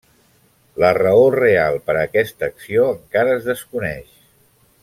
La raó real per a aquesta acció encara es desconeix.